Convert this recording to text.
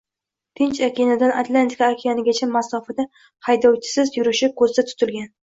Tinch okeanidan Atlantika okeanigacha masofada haydovchisiz yurishi ko‘zda tutilgan